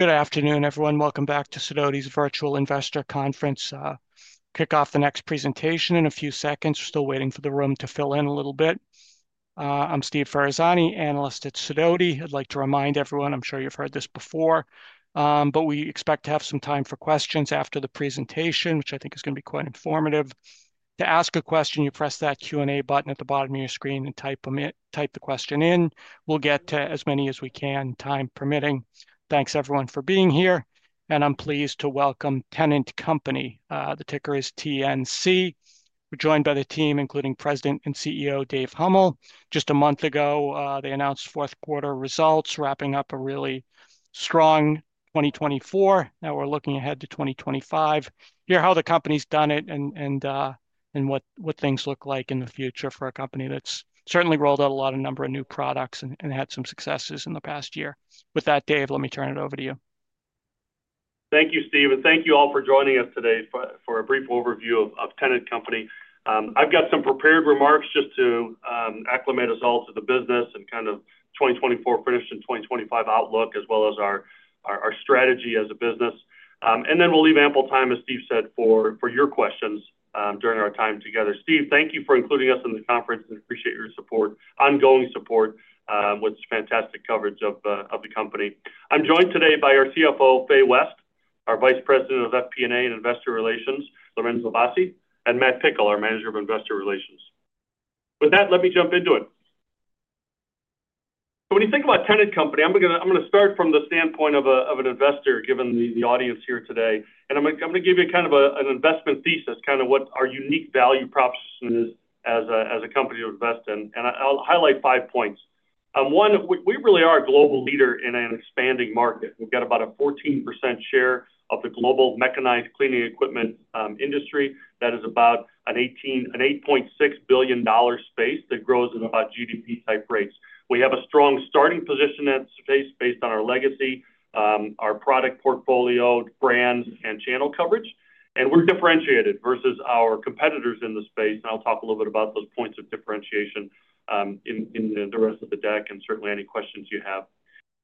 Good afternoon, everyone. Welcome back to Sidoti's Virtual Investor Conference. I'll kick off the next presentation in a few seconds. We're still waiting for the room to fill in a little bit. I'm Steve Ferazani, analyst at Sidoti. I'd like to remind everyone—I'm sure you've heard this before—but we expect to have some time for questions after the presentation, which I think is going to be quite informative. To ask a question, you press that Q&A button at the bottom of your screen and type the question in. We'll get to as many as we can, time permitting. Thanks, everyone, for being here. I am pleased to welcome Tennant Company. The ticker is TNC. We're joined by the team, including President and CEO Dave Huml. Just a month ago, they announced fourth-quarter results, wrapping up a really strong 2024. Now we're looking ahead to 2025. Hear how the company's done it and what things look like in the future for a company that's certainly rolled out a lot of new products and had some successes in the past year. With that, Dave, let me turn it over to you. Thank you, Steve. Thank you all for joining us today for a brief overview of Tennant Company. I've got some prepared remarks just to acclimate us all to the business and kind of 2024 finished and 2025 outlook, as well as our strategy as a business. We will leave ample time, as Steve said, for your questions during our time together. Steve, thank you for including us in the conference and appreciate your ongoing support with fantastic coverage of the company. I'm joined today by our CFO, Fay West, our Vice President of FP&A and Investor Relations, Lorenzo Bassi, and Matt Pickel, our Manager of Investor Relations. With that, let me jump into it. When you think about Tennant Company, I'm going to start from the standpoint of an investor, given the audience here today. I'm going to give you kind of an investment thesis, kind of what our unique value proposition is as a company to invest in. I'll highlight five points. One, we really are a global leader in an expanding market. We've got about a 14% share of the global mechanized cleaning equipment industry. That is about an $8.6 billion space that grows at about GDP-type rates. We have a strong starting position in that space based on our legacy, our product portfolio, brands, and channel coverage. We're differentiated versus our competitors in the space. I'll talk a little bit about those points of differentiation in the rest of the deck and certainly any questions you have.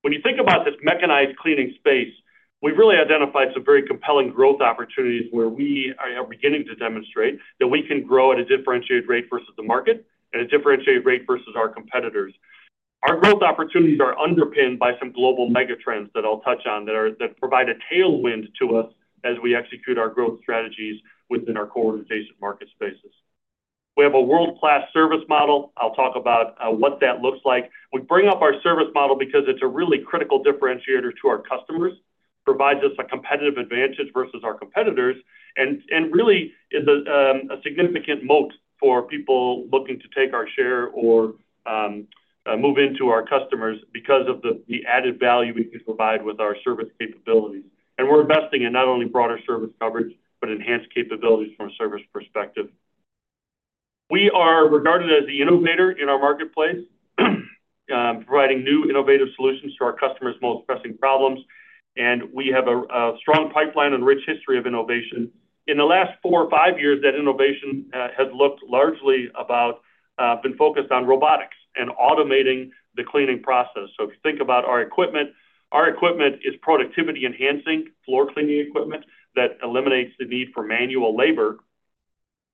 When you think about this mechanized cleaning space, we've really identified some very compelling growth opportunities where we are beginning to demonstrate that we can grow at a differentiated rate versus the market and a differentiated rate versus our competitors. Our growth opportunities are underpinned by some global megatrends that I'll touch on that provide a tailwind to us as we execute our growth strategies within our coordinated market spaces. We have a world-class service model. I'll talk about what that looks like. We bring up our service model because it's a really critical differentiator to our customers, provides us a competitive advantage versus our competitors, and really is a significant moat for people looking to take our share or move into our customers because of the added value we can provide with our service capabilities. We are investing in not only broader service coverage, but enhanced capabilities from a service perspective. We are regarded as the innovator in our marketplace, providing new innovative solutions to our customers' most pressing problems. We have a strong pipeline and rich history of innovation. In the last four or five years, that innovation has looked largely about being focused on robotics and automating the cleaning process. If you think about our equipment, our equipment is productivity-enhancing floor cleaning equipment that eliminates the need for manual labor.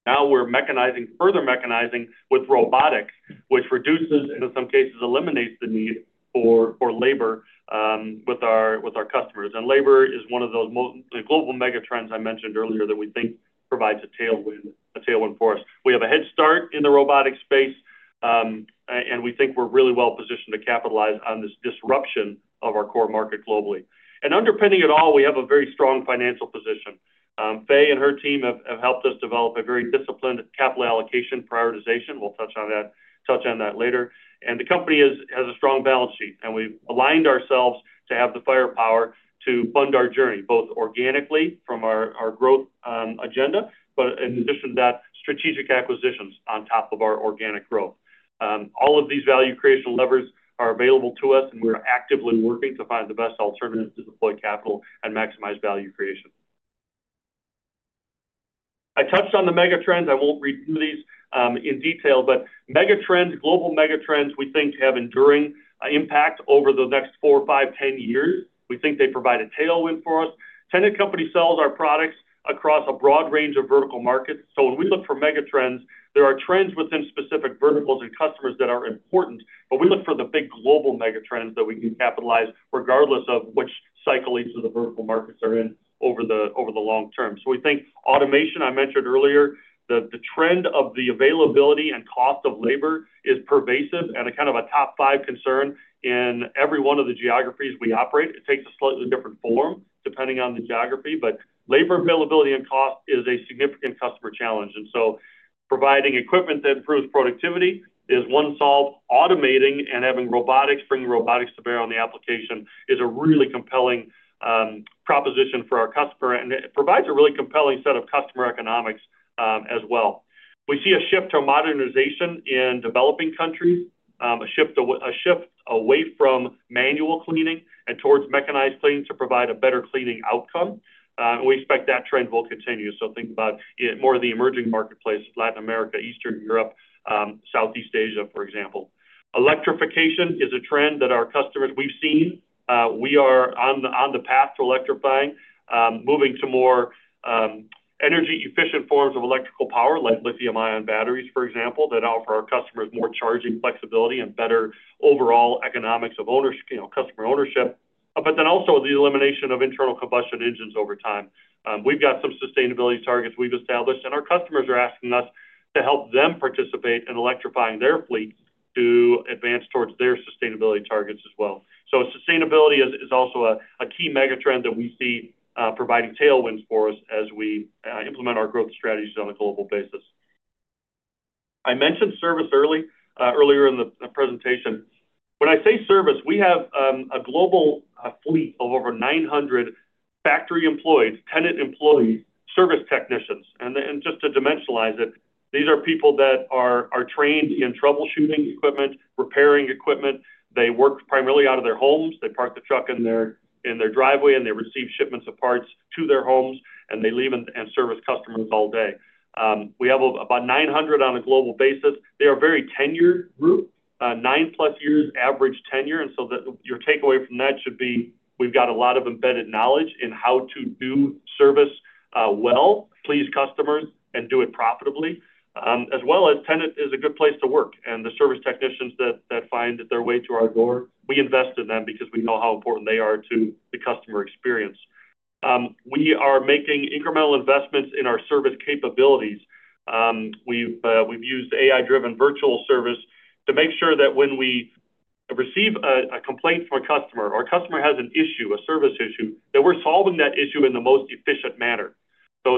Now we are further mechanizing with robotics, which reduces and in some cases eliminates the need for labor with our customers. Labor is one of those global megatrends I mentioned earlier that we think provides a tailwind for us. We have a head start in the robotics space, and we think we're really well positioned to capitalize on this disruption of our core market globally. Underpinning it all, we have a very strong financial position. Fay and her team have helped us develop a very disciplined capital allocation prioritization. We'll touch on that later. The company has a strong balance sheet. We've aligned ourselves to have the firepower to fund our journey, both organically from our growth agenda, but in addition to that, strategic acquisitions on top of our organic growth. All of these value creation levers are available to us, and we're actively working to find the best alternative to deploy capital and maximize value creation. I touched on the megatrends. I won't read through these in detail, but global megatrends, we think, have enduring impact over the next 4, 5, 10 years. We think they provide a tailwind for us. Tennant Company sells our products across a broad range of vertical markets. When we look for megatrends, there are trends within specific verticals and customers that are important. We look for the big global megatrends that we can capitalize on regardless of which cycle each of the vertical markets are in over the long term. We think automation, I mentioned earlier, the trend of the availability and cost of labor is pervasive and kind of a top five concern in every one of the geographies we operate. It takes a slightly different form depending on the geography, but labor availability and cost is a significant customer challenge. Providing equipment that improves productivity is one solve. Automating and having robotics, bringing robotics to bear on the application is a really compelling proposition for our customer. It provides a really compelling set of customer economics as well. We see a shift to modernization in developing countries, a shift away from manual cleaning and towards mechanized cleaning to provide a better cleaning outcome. We expect that trend will continue. Think about more of the emerging marketplace, Latin America, Eastern Europe, Southeast Asia, for example. Electrification is a trend that our customers we have seen. We are on the path to electrifying, moving to more energy-efficient forms of electrical power, like lithium-ion batteries, for example, that offer our customers more charging flexibility and better overall economics of customer ownership, but then also the elimination of internal combustion engines over time. We have some sustainability targets we have established, and our customers are asking us to help them participate in electrifying their fleet to advance towards their sustainability targets as well. Sustainability is also a key megatrend that we see providing tailwinds for us as we implement our growth strategies on a global basis. I mentioned service earlier in the presentation. When I say service, we have a global fleet of over 900 factory employees, Tennant employees, service technicians. Just to dimensionalize it, these are people that are trained in troubleshooting equipment, repairing equipment. They work primarily out of their homes. They park the truck in their driveway, and they receive shipments of parts to their homes, and they leave and service customers all day. We have about 900 on a global basis. They are a very tenured group, nine-plus years average tenure. Your takeaway from that should be we've got a lot of embedded knowledge in how to do service well, please customers, and do it profitably, as well as Tennant is a good place to work. The service technicians that find their way to our door, we invest in them because we know how important they are to the customer experience. We are making incremental investments in our service capabilities. We've used AI-driven virtual service to make sure that when we receive a complaint from a customer, or a customer has an issue, a service issue, that we're solving that issue in the most efficient manner.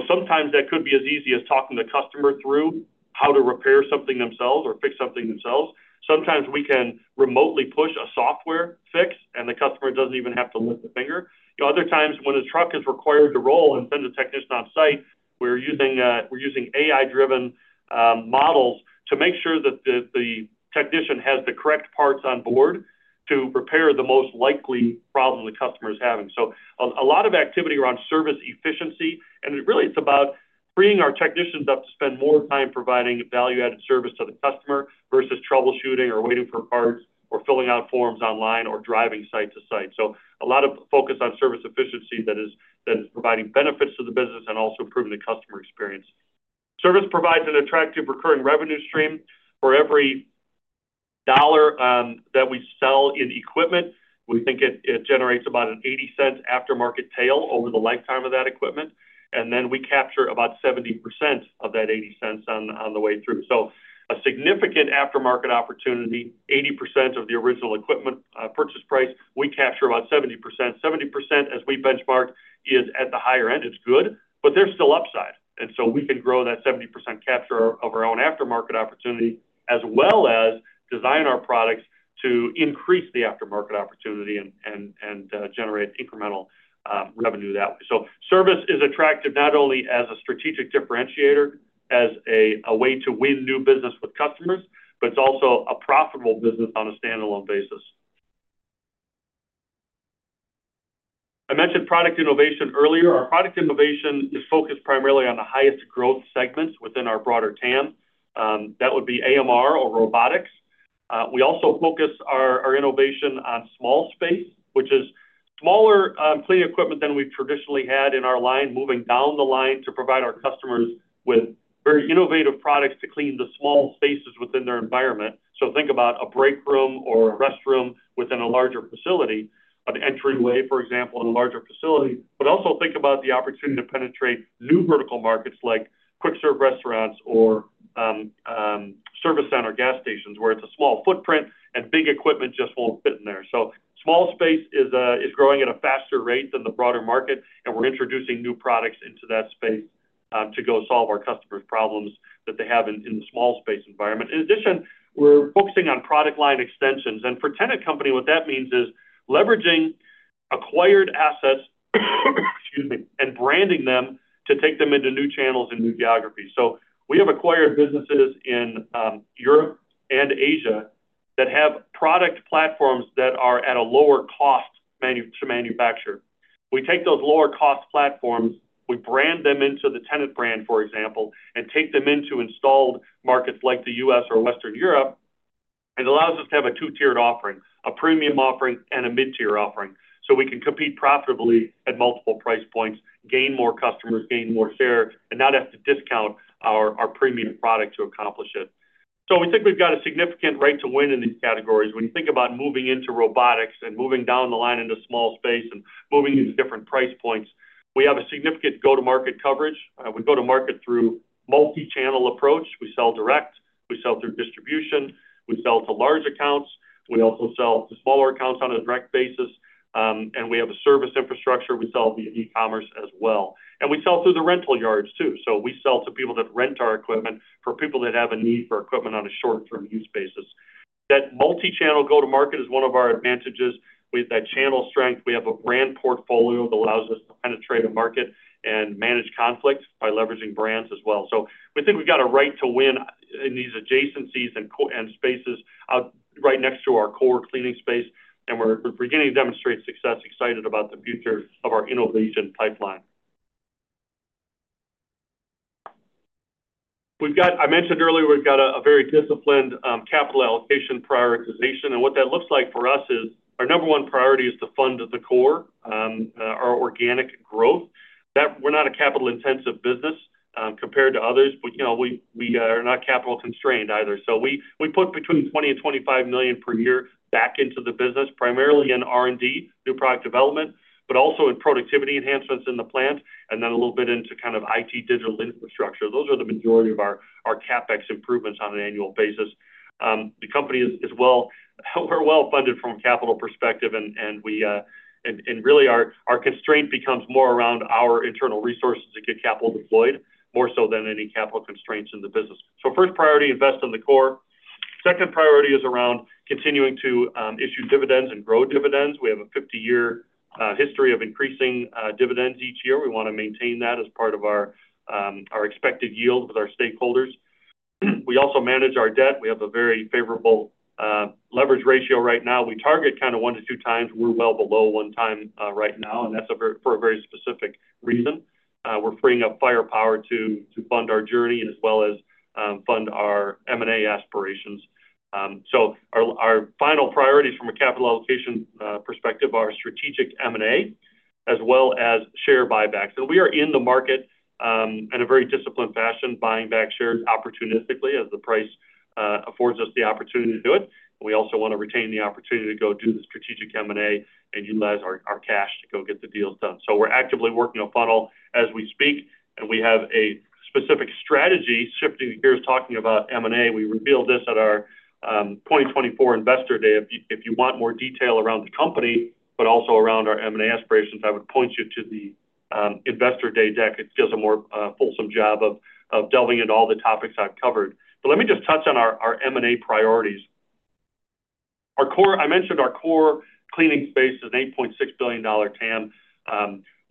Sometimes that could be as easy as talking to the customer through how to repair something themselves or fix something themselves. Sometimes we can remotely push a software fix, and the customer doesn't even have to lift a finger. Other times, when a truck is required to roll and send a technician on site, we're using AI-driven models to make sure that the technician has the correct parts on board to repair the most likely problem the customer is having. A lot of activity around service efficiency. Really, it's about freeing our technicians up to spend more time providing value-added service to the customer versus troubleshooting or waiting for parts or filling out forms online or driving site to site. A lot of focus on service efficiency that is providing benefits to the business and also improving the customer experience. Service provides an attractive recurring revenue stream for every dollar that we sell in equipment. We think it generates about an 80 cents aftermarket tail over the lifetime of that equipment. We capture about 70% of that 80 cents on the way through. A significant aftermarket opportunity, 80% of the original equipment purchase price, we capture about 70%. 70%, as we benchmark, is at the higher end. It's good, but there's still upside. We can grow that 70% capture of our own aftermarket opportunity as well as design our products to increase the aftermarket opportunity and generate incremental revenue that way. Service is attractive not only as a strategic differentiator, as a way to win new business with customers, but it's also a profitable business on a standalone basis. I mentioned product innovation earlier. Our product innovation is focused primarily on the highest growth segments within our broader TAM. That would be AMR or robotics. We also focus our innovation on small space, which is smaller cleaning equipment than we've traditionally had in our line, moving down the line to provide our customers with very innovative products to clean the small spaces within their environment. Think about a break room or a restroom within a larger facility, an entryway, for example, in a larger facility. Also think about the opportunity to penetrate new vertical markets like quick-serve restaurants or service center gas stations, where it's a small footprint and big equipment just won't fit in there. Small space is growing at a faster rate than the broader market, and we're introducing new products into that space to go solve our customers' problems that they have in the small space environment. In addition, we're focusing on product line extensions. For Tennant Company, what that means is leveraging acquired assets and branding them to take them into new channels and new geographies. We have acquired businesses in Europe and Asia that have product platforms that are at a lower cost to manufacture. We take those lower cost platforms, we brand them into the Tennant brand, for example, and take them into installed markets like the U.S. or Western Europe. It allows us to have a two-tiered offering, a premium offering, and a mid-tier offering. We can compete profitably at multiple price points, gain more customers, gain more share, and not have to discount our premium product to accomplish it. We think we've got a significant right to win in these categories. When you think about moving into robotics and moving down the line into small space and moving into different price points, we have a significant go-to-market coverage. We go to market through a multi-channel approach. We sell direct. We sell through distribution. We sell to large accounts. We also sell to smaller accounts on a direct basis. We have a service infrastructure. We sell via e-commerce as well. We sell through the rental yards too. We sell to people that rent our equipment for people that have a need for equipment on a short-term use basis. That multi-channel go-to-market is one of our advantages. We have that channel strength. We have a brand portfolio that allows us to penetrate a market and manage conflicts by leveraging brands as well. We think we've got a right to win in these adjacencies and spaces right next to our core cleaning space. We're beginning to demonstrate success, excited about the future of our innovation pipeline. I mentioned earlier we've got a very disciplined capital allocation prioritization. What that looks like for us is our number one priority is to fund the core, our organic growth. We're not a capital-intensive business compared to others, but we are not capital-constrained either. We put between $20 million-$25 million per year back into the business, primarily in R&D, new product development, but also in productivity enhancements in the plant, and then a little bit into kind of IT digital infrastructure. Those are the majority of our CapEx improvements on an annual basis. The company is well-funded from a capital perspective. Our constraint becomes more around our internal resources to get capital deployed, more so than any capital constraints in the business. First priority, invest in the core. Second priority is around continuing to issue dividends and grow dividends. We have a 50-year history of increasing dividends each year. We want to maintain that as part of our expected yield with our stakeholders. We also manage our debt. We have a very favorable leverage ratio right now. We target kind of one to two times. We are well below one time right now, and that is for a very specific reason. We are freeing up firepower to fund our journey as well as fund our M&A aspirations. Our final priorities from a capital allocation perspective are strategic M&A as well as share buybacks. We are in the market in a very disciplined fashion, buying back shares opportunistically as the price affords us the opportunity to do it. We also want to retain the opportunity to go do the strategic M&A and utilize our cash to go get the deals done. We are actively working to funnel as we speak. We have a specific strategy. Shifting here is talking about M&A. We revealed this at our 2024 Investor Day. If you want more detail around the company, but also around our M&A aspirations, I would point you to the Investor Day deck. It gives a more fulsome job of delving into all the topics I have covered. Let me just touch on our M&A priorities. I mentioned our core cleaning space is an $8.6 billion TAM.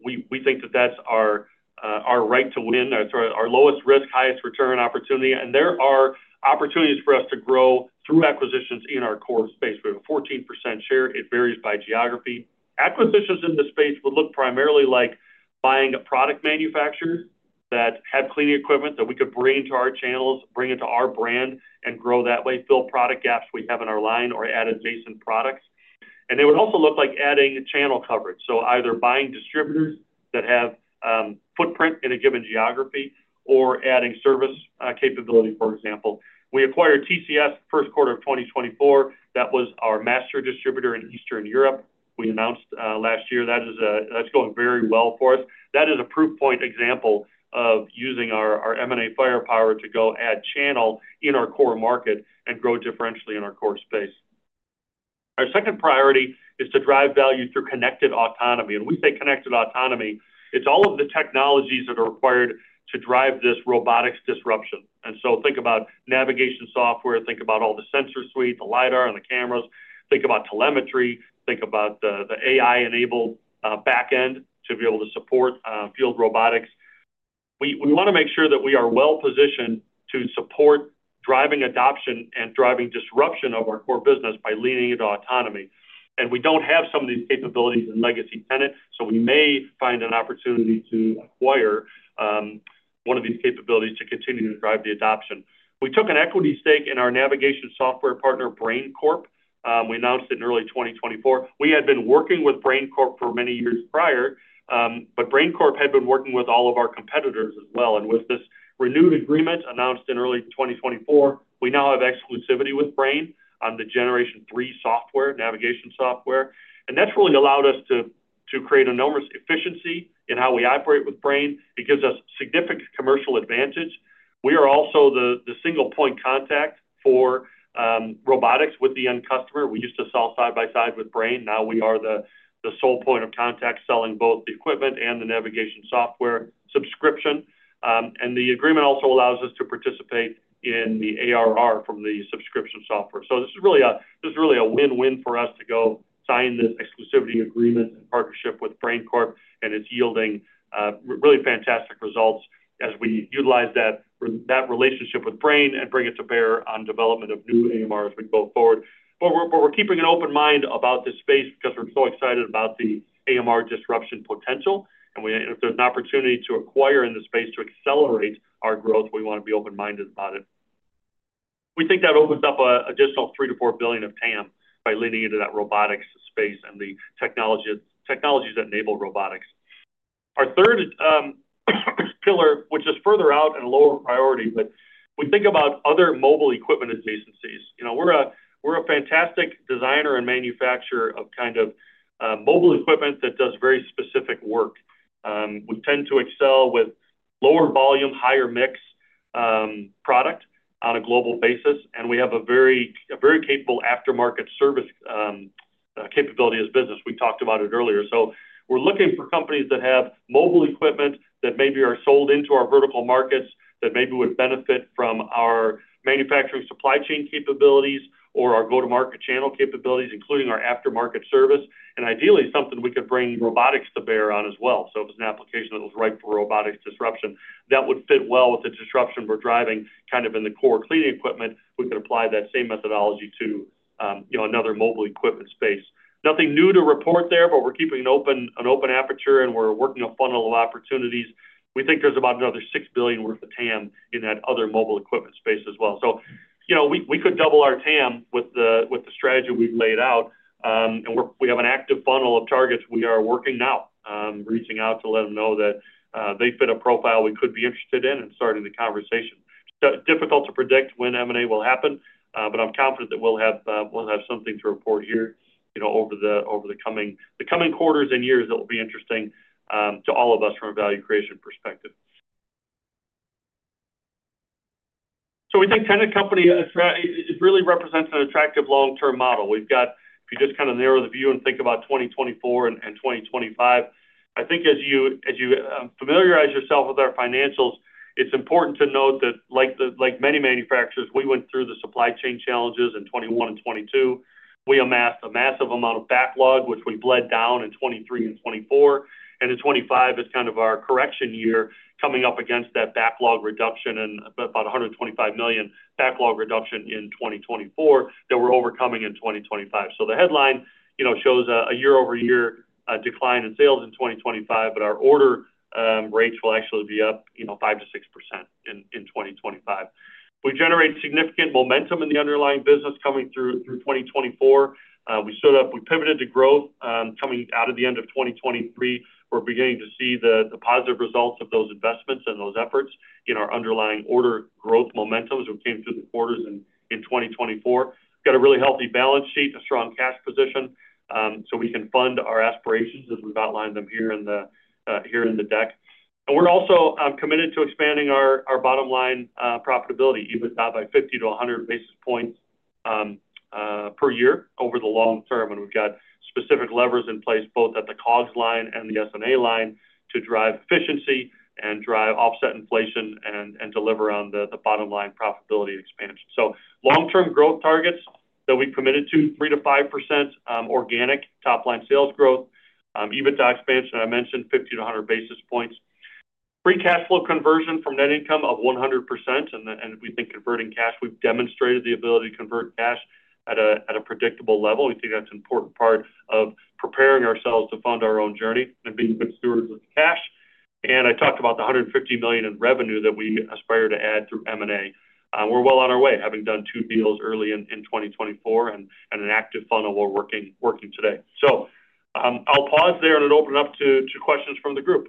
We think that that is our right to win, our lowest risk, highest return opportunity. There are opportunities for us to grow through acquisitions in our core space. We have a 14% share. It varies by geography. Acquisitions in this space would look primarily like buying a product manufacturer that had cleaning equipment that we could bring into our channels, bring it to our brand, and grow that way, fill product gaps we have in our line, or add adjacent products. It would also look like adding channel coverage. Either buying distributors that have footprint in a given geography or adding service capability, for example. We acquired TCS first quarter of 2024. That was our master distributor in Eastern Europe. We announced last year. That's going very well for us. That is a proof point example of using our M&A firepower to go add channel in our core market and grow differentially in our core space. Our second priority is to drive value through connected autonomy. When we say connected autonomy, it's all of the technologies that are required to drive this robotics disruption. Think about navigation software, think about all the sensor suite, the LiDAR and the cameras, think about telemetry, think about the AI-enabled backend to be able to support field robotics. We want to make sure that we are well-positioned to support driving adoption and driving disruption of our core business by leaning into autonomy. We do not have some of these capabilities in legacy Tennant, so we may find an opportunity to acquire one of these capabilities to continue to drive the adoption. We took an equity stake in our navigation software partner, Brain Corp. We announced it in early 2024. We had been working with Brain Corp for many years prior, but Brain Corp had been working with all of our competitors as well. With this renewed agreement announced in early 2024, we now have exclusivity with Brain on the generation three software, navigation software. That has really allowed us to create enormous efficiency in how we operate with Brain. It gives us significant commercial advantage. We are also the single point contact for robotics with the end customer. We used to sell side by side with Brain. Now we are the sole point of contact selling both the equipment and the navigation software subscription. The agreement also allows us to participate in the ARR from the subscription software. This is really a win-win for us to go sign this exclusivity agreement and partnership with Brain Corp, and it's yielding really fantastic results as we utilize that relationship with Brain and bring it to bear on development of new AMR as we go forward. We are keeping an open mind about this space because we are so excited about the AMR disruption potential. If there is an opportunity to acquire in this space to accelerate our growth, we want to be open-minded about it. We think that opens up an additional $3 billion-$4 billion of TAM by leaning into that robotics space and the technologies that enable robotics. Our third pillar, which is further out and a lower priority, is that we think about other mobile equipment adjacencies. We are a fantastic designer and manufacturer of kind of mobile equipment that does very specific work. We tend to excel with lower volume, higher mix product on a global basis. We have a very capable aftermarket service capability as business. We talked about it earlier. We are looking for companies that have mobile equipment that maybe are sold into our vertical markets that maybe would benefit from our manufacturing supply chain capabilities or our go-to-market channel capabilities, including our aftermarket service. Ideally, something we could bring robotics to bear on as well. If it is an application that was ripe for robotics disruption, that would fit well with the disruption we are driving kind of in the core cleaning equipment. We could apply that same methodology to another mobile equipment space. Nothing new to report there, but we are keeping an open aperture and we are working to funnel opportunities. We think there's about another $6 billion worth of TAM in that other mobile equipment space as well. We could double our TAM with the strategy we've laid out. We have an active funnel of targets we are working now, reaching out to let them know that they fit a profile we could be interested in and starting the conversation. Difficult to predict when M&A will happen, but I'm confident that we'll have something to report here over the coming quarters and years. It will be interesting to all of us from a value creation perspective. We think Tennant Company really represents an attractive long-term model. If you just kind of narrow the view and think about 2024 and 2025, I think as you familiarize yourself with our financials, it's important to note that like many manufacturers, we went through the supply chain challenges in 2021 and 2022. We amassed a massive amount of backlog, which we bled down in 2023 and 2024. In 2025 is kind of our correction year coming up against that backlog reduction and about $125 million backlog reduction in 2024 that we're overcoming in 2025. The headline shows a year-over-year decline in sales in 2025, but our order rates will actually be up 5%-6% in 2025. We generate significant momentum in the underlying business coming through 2024. We pivoted to growth coming out of the end of 2023. We're beginning to see the positive results of those investments and those efforts in our underlying order growth momentums that came through the quarters in 2024. We've got a really healthy balance sheet, a strong cash position, so we can fund our aspirations as we've outlined them here in the deck. We're also committed to expanding our bottom line profitability, even by 50-100 basis points per year over the long term. We've got specific levers in place both at the COGS line and the S&A line to drive efficiency and drive offset inflation and deliver on the bottom line profitability expansion. Long-term growth targets that we committed to 3-5% organic top-line sales growth, EBITDA expansion, I mentioned 50-100 basis points, free cash flow conversion from net income of 100%. We think converting cash, we've demonstrated the ability to convert cash at a predictable level. We think that's an important part of preparing ourselves to fund our own journey and being good stewards of cash. I talked about the $150 million in revenue that we aspire to add through M&A. We're well on our way, having done two deals early in 2024 and an active funnel we're working today. I'll pause there and then open it up to questions from the group.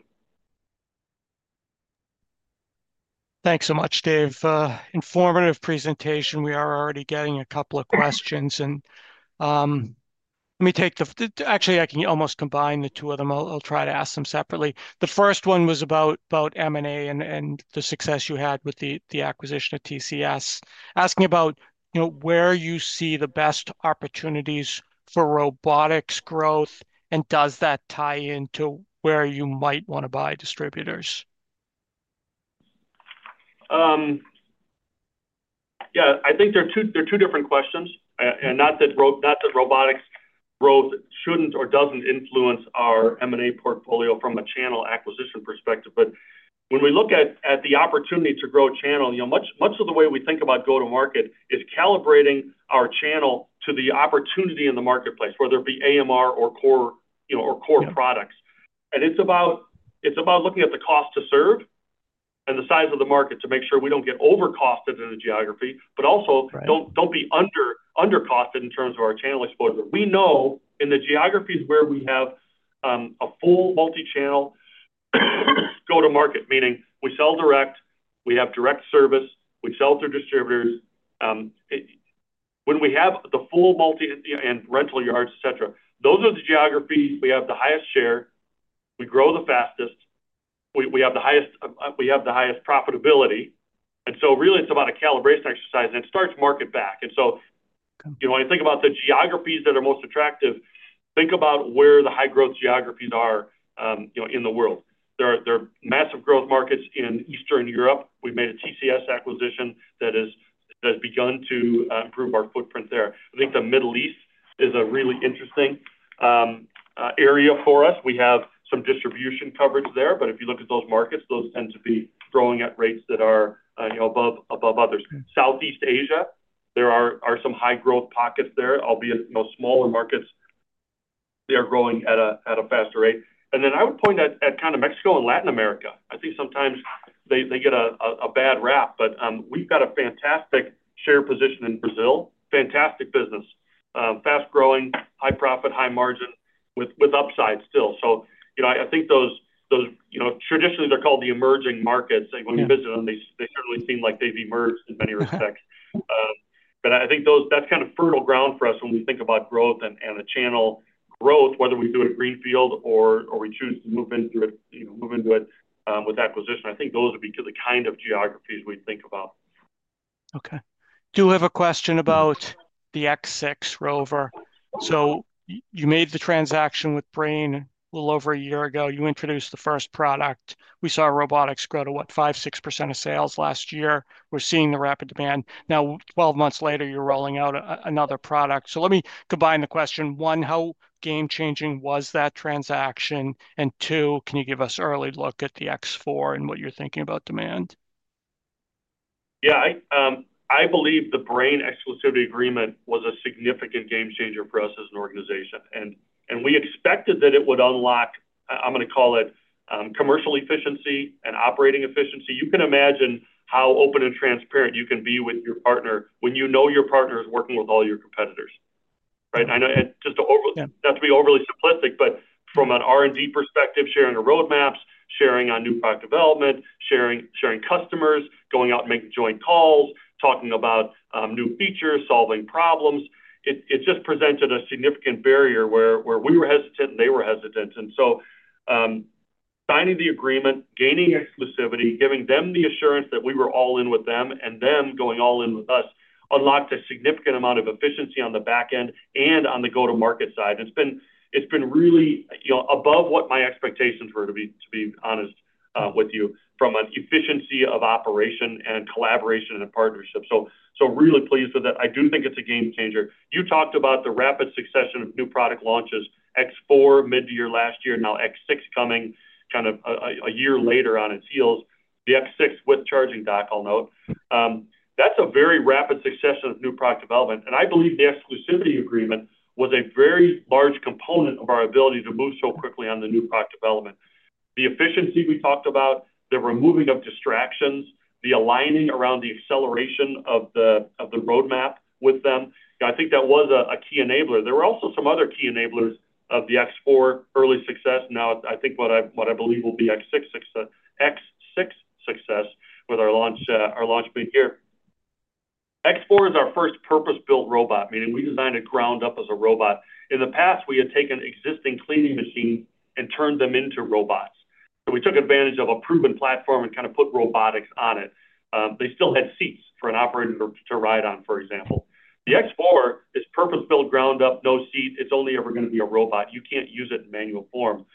Thanks so much, Dave. Informative presentation. We are already getting a couple of questions. Let me take the—actually, I can almost combine the two of them. I'll try to ask them separately. The first one was about M&A and the success you had with the acquisition of TCS, asking about where you see the best opportunities for robotics growth, and does that tie into where you might want to buy distributors? Yeah, I think they're two different questions. Not that robotics growth shouldn't or doesn't influence our M&A portfolio from a channel acquisition perspective. When we look at the opportunity to grow channel, much of the way we think about go-to-market is calibrating our channel to the opportunity in the marketplace, whether it be AMR or core products. It's about looking at the cost to serve and the size of the market to make sure we don't get overcosted in the geography, but also don't be undercosted in terms of our channel exposure. We know in the geographies where we have a full multi-channel go-to-market, meaning we sell direct, we have direct service, we sell through distributors. When we have the full multi and rental yards, etc., those are the geographies we have the highest share. We grow the fastest. We have the highest profitability. It is really about a calibration exercise. It starts market back. When I think about the geographies that are most attractive, think about where the high-growth geographies are in the world. There are massive growth markets in Eastern Europe. We have made a TCS acquisition that has begun to improve our footprint there. I think the Middle East is a really interesting area for us. We have some distribution coverage there. If you look at those markets, those tend to be growing at rates that are above others. Southeast Asia, there are some high-growth pockets there, albeit smaller markets. They are growing at a faster rate. I would point at kind of Mexico and Latin America. I think sometimes they get a bad rap. We've got a fantastic share position in Brazil, fantastic business, fast-growing, high-profit, high-margin with upside still. I think those traditionally, they're called the emerging markets. When we visit them, they certainly seem like they've emerged in many respects. I think that's kind of fertile ground for us when we think about growth and the channel growth, whether we do it at greenfield or we choose to move into it with acquisition. I think those would be the kind of geographies we'd think about. Okay. Do have a question about the X6 ROVR. You made the transaction with Brain a little over a year ago. You introduced the first product. We saw robotics grow to, what, 5-6% of sales last year. We're seeing the rapid demand. Now, 12 months later, you're rolling out another product. Let me combine the question. One, how game-changing was that transaction? Two, can you give us an early look at the X4 and what you're thinking about demand? Yeah. I believe the Brain exclusivity agreement was a significant game changer for us as an organization. We expected that it would unlock, I'm going to call it, commercial efficiency and operating efficiency. You can imagine how open and transparent you can be with your partner when you know your partner is working with all your competitors, right? Not to be overly simplistic, but from an R&D perspective, sharing roadmaps, sharing on new product development, sharing customers, going out and making joint calls, talking about new features, solving problems. It just presented a significant barrier where we were hesitant and they were hesitant. Signing the agreement, gaining exclusivity, giving them the assurance that we were all in with them and them going all in with us unlocked a significant amount of efficiency on the backend and on the go-to-market side. It has been really above what my expectations were, to be honest with you, from an efficiency of operation and collaboration and partnership. I am really pleased with it. I do think it is a game changer. You talked about the rapid succession of new product launches, X4 mid-year last year, now X6 coming kind of a year later on its heels. The X6 with charging dock, I'll note. That's a very rapid succession of new product development. I believe the exclusivity agreement was a very large component of our ability to move so quickly on the new product development. The efficiency we talked about, the removing of distractions, the aligning around the acceleration of the roadmap with them, I think that was a key enabler. There were also some other key enablers of the X4 early success. Now, I think what I believe will be X6 success with our launch meeting here. X4 is our first purpose-built robot, meaning we designed it ground up as a robot. In the past, we had taken existing cleaning machines and turned them into robots. We took advantage of a proven platform and kind of put robotics on it. They still had seats for an operator to ride on, for example. The X4 is purpose-built ground up, no seat. It's only ever going to be a robot. You can't use it in manual form.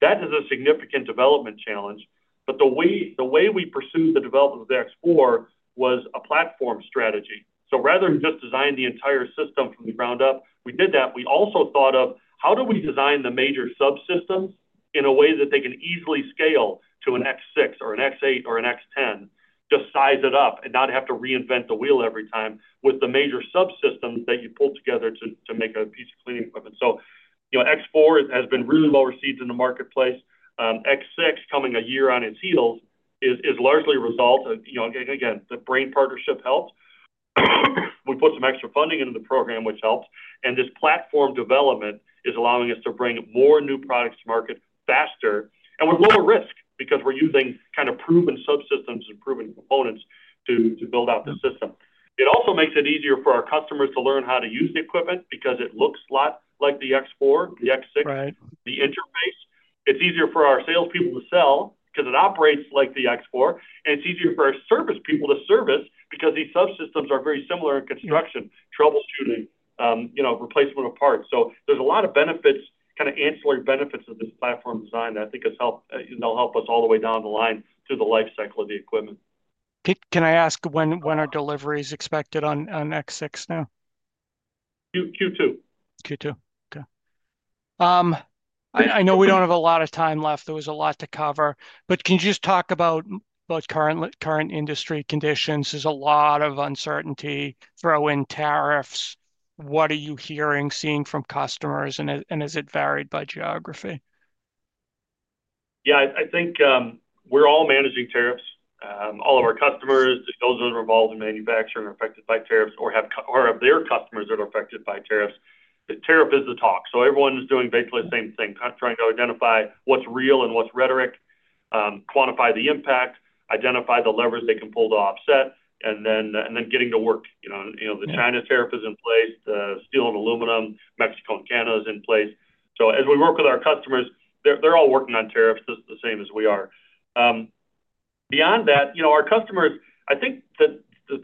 That is a significant development challenge. The way we pursued the development of the X4 was a platform strategy. Rather than just design the entire system from the ground up, we did that. We also thought of how do we design the major subsystems in a way that they can easily scale to an X6 or an X8 or an X10, just size it up and not have to reinvent the wheel every time with the major subsystems that you pull together to make a piece of cleaning equipment. X4 has been really well received in the marketplace. X6, coming a year on its heels, is largely a result. Again, the Brain partnership helped. We put some extra funding into the program, which helped. This platform development is allowing us to bring more new products to market faster and with lower risk because we're using kind of proven subsystems and proven components to build out the system. It also makes it easier for our customers to learn how to use the equipment because it looks a lot like the X4, the X6, the interface. It's easier for our salespeople to sell because it operates like the X4. It's easier for our service people to service because these subsystems are very similar in construction, troubleshooting, replacement of parts. There are a lot of benefits, kind of ancillary benefits of this platform design that I think will help us all the way down the line through the lifecycle of the equipment. Can I ask when are deliveries expected on X6 now? Q2. Q2. Okay. I know we don't have a lot of time left. There was a lot to cover. Can you just talk about current industry conditions? There's a lot of uncertainty, throw-in tariffs. What are you hearing, seeing from customers, and has it varied by geography? Yeah. I think we're all managing tariffs. All of our customers, those that are involved in manufacturing are affected by tariffs or have their customers that are affected by tariffs. The tariff is the talk. Everyone's doing basically the same thing, trying to identify what's real and what's rhetoric, quantify the impact, identify the levers they can pull to offset, and then getting to work. The China tariff is in place, the steel and aluminum, Mexico and Canada is in place. As we work with our customers, they're all working on tariffs the same as we are. Beyond that, our customers, I think the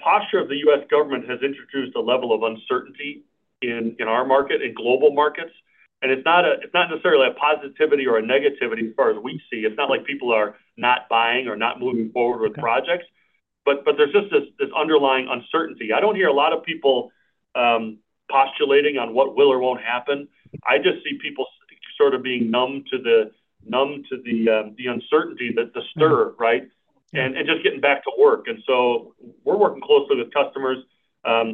posture of the U.S. government has introduced a level of uncertainty in our market and global markets. It's not necessarily a positivity or a negativity as far as we see. It's not like people are not buying or not moving forward with projects. There's just this underlying uncertainty. I don't hear a lot of people postulating on what will or won't happen. I just see people sort of being numb to the uncertainty, the stir, right, and just getting back to work. We're working closely with customers.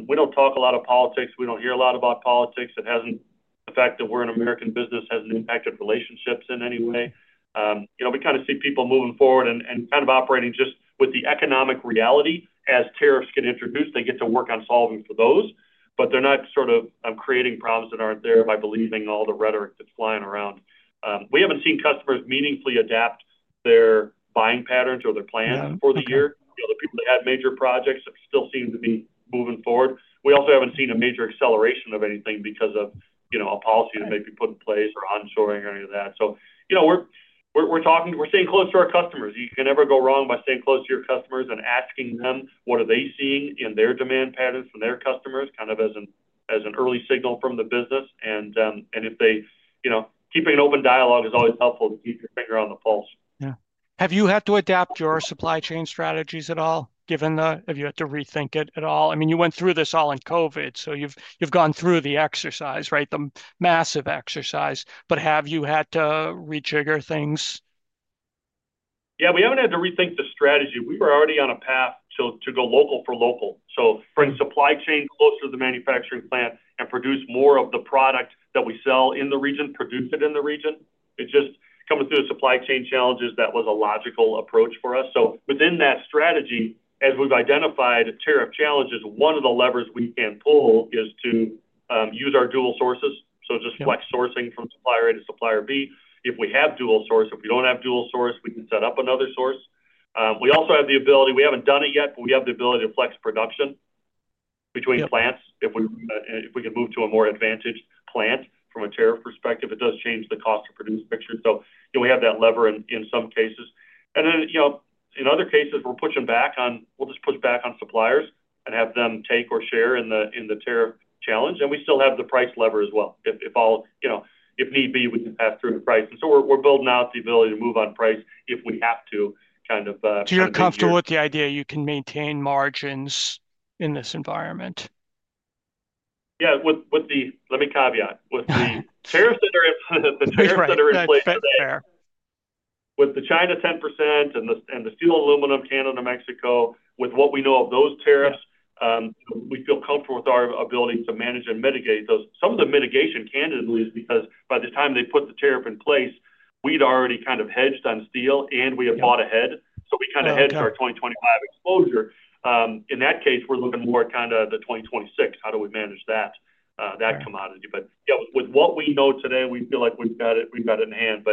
We don't talk a lot of politics. We don't hear a lot about politics. The fact that we're an American business hasn't impacted relationships in any way. We kind of see people moving forward and kind of operating just with the economic reality. As tariffs get introduced, they get to work on solving for those. They are not sort of creating problems that are not there by believing all the rhetoric that is flying around. We have not seen customers meaningfully adapt their buying patterns or their plans for the year. The people that had major projects still seem to be moving forward. We also have not seen a major acceleration of anything because of a policy that may be put in place or onshoring or any of that. We are staying close to our customers. You can never go wrong by staying close to your customers and asking them what they are seeing in their demand patterns from their customers, kind of as an early signal from the business. Keeping an open dialogue is always helpful to keep your finger on the pulse. Yeah. Have you had to adapt your supply chain strategies at all, given that? Have you had to rethink it at all? I mean, you went through this all in COVID. You have gone through the exercise, right, the massive exercise. Have you had to rejigger things? Yeah. We have not had to rethink the strategy. We were already on a path to go local for local. Bring supply chain closer to the manufacturing plant and produce more of the product that we sell in the region, produce it in the region. It is just coming through the supply chain challenges that was a logical approach for us. Within that strategy, as we have identified tariff challenges, one of the levers we can pull is to use our dual sources. Just flex sourcing from supplier A to supplier B. If we have dual source, if we do not have dual source, we can set up another source. We also have the ability—we haven't done it yet, but we have the ability to flex production between plants. If we can move to a more advantaged plant from a tariff perspective, it does change the cost-to-produce picture. We have that lever in some cases. In other cases, we're pushing back on—we'll just push back on suppliers and have them take or share in the tariff challenge. We still have the price lever as well. If need be, we can pass through the price. We're building out the ability to move on price if we have to kind of. You're comfortable with the idea you can maintain margins in this environment? Yeah. Let me caveat. With the tariffs that are in place, with the China 10% and the steel, aluminum, Canada, Mexico, with what we know of those tariffs, we feel comfortable with our ability to manage and mitigate those. Some of the mitigation, candidly, is because by the time they put the tariff in place, we'd already kind of hedged on steel, and we had bought ahead. So we kind of hedged our 2025 exposure. In that case, we're looking more at kind of the 2026, how do we manage that commodity. Yeah, with what we know today, we feel like we've got it in hand.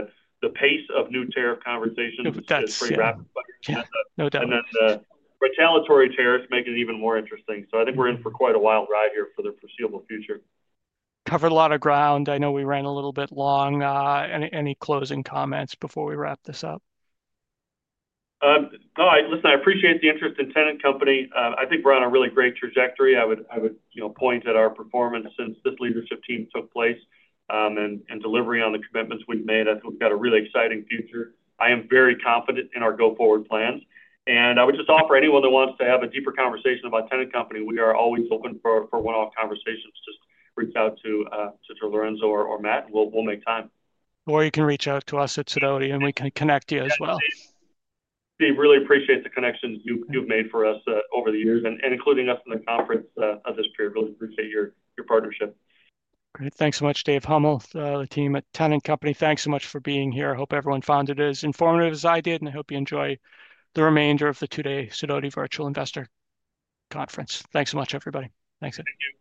The pace of new tariff conversations is pretty rapid. No doubt. Retaliatory tariffs make it even more interesting. I think we're in for quite a wild ride here for the foreseeable future. Covered a lot of ground. I know we ran a little bit long. Any closing comments before we wrap this up? No. Listen, I appreciate the interest in Tennant Company. I think we're on a really great trajectory. I would point at our performance since this leadership team took place and delivery on the commitments we've made. I think we've got a really exciting future. I am very confident in our go-forward plans. I would just offer anyone that wants to have a deeper conversation about Tennant Company, we are always open for one-off conversations. Just reach out to Mr. Lorenzo or Matt. We'll make time. Or you can reach out to us at Sidoti, and we can connect you as well. Steve, really appreciate the connections you've made for us over the years, including us in the conference of this period. Really appreciate your partnership. Great. Thanks so much, Dave Huml, the team at Tennant Company. Thanks so much for being here. I hope everyone found it as informative as I did, and I hope you enjoy the remainder of the two-day Sidoti Virtual Investor Conference. Thanks so much, everybody. Thanks. Thank you.